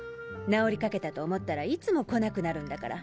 治りかけたと思ったらいつも来なくなるんだから。